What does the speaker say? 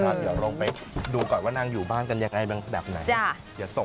เดี๋ยวลองไปดูก่อนว่านางอยู่บ้านกันยังไงแบบไหนเดี๋ยวส่ง